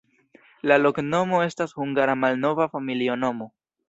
La loknomo estas hungara malnova familia nomo.